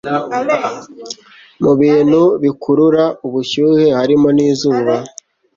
Mu bintu bikurura ubushyuye harimo n' izuba